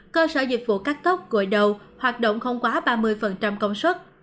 cơ sở dịch vụ cắt cốc gội đầu hoạt động không quá ba mươi công suất